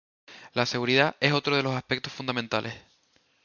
La seguridad es otro de los aspectos fundamentales.